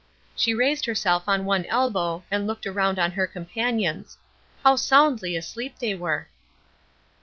She raised herself on one elbow and looked around on her companions. How soundly asleep they were!